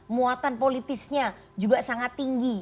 muatan politisnya juga sangat tinggi